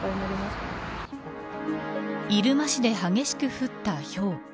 入間市で激しく降ったひょう。